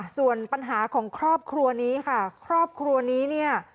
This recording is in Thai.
ส่วนปัญหาของครอบครัวนี้ค่ะครอบครัวนี้เนี่ย